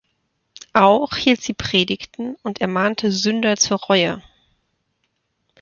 Auch hielt sie Predigten und ermahnte Sünder zur Reue.